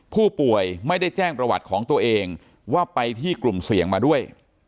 ผู้ป่วยไม่ได้แจ้งประวัติของตัวเองว่าไปที่กลุ่มเสี่ยงมาด้วย